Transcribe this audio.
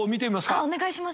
あっお願いします。